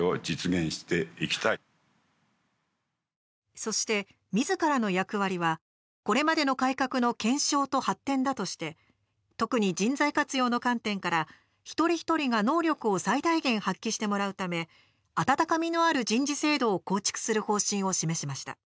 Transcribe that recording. そして、みずからの役割はこれまでの改革の検証と発展だとして特に、人材活用の観点から一人一人が能力を最大限、発揮してもらうため温かみのある人事制度を構築する方針を示しました。